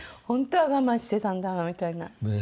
本当は我慢してたんだみたいな。